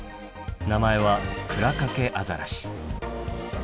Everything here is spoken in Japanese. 名前はクラカケアザラシ。